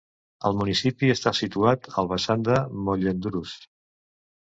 El municipi està situat al vessant de Mollendruz.